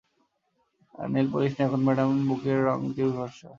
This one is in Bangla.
নেইল পলিশ নেই, এখন ম্যাডাম ব্যুকের রঙের টিউবই ভরসা।